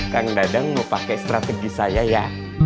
kang dadang mau pakai strategi saya ya